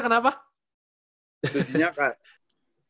kenapa ya setujunya kenapa